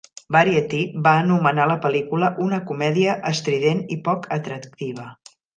"Variety" va anomenar la pel·lícula "una comèdia estrident i poc atractiva.